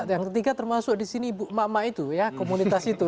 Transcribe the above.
yang ketiga termasuk di sini ibu emak emak itu ya komunitas itu